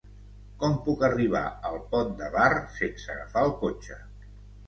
Com puc arribar al Pont de Bar sense agafar el cotxe?